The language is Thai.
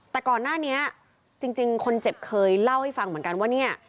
แต่ก่อนหน้านี้จริงคนเจ็บเคยเล่าให้ฟังเหมือนกันว่าเนี่ย